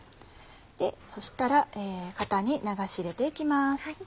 そしたら型に流し入れて行きます。